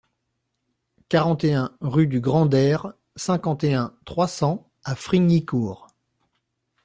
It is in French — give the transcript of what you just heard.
quarante et un rue du Grand Der, cinquante et un, trois cents à Frignicourt